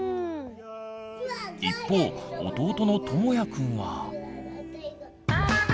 一方弟のともやくんは。